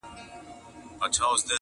افغانان غواړي په یوه لوی پارک کي -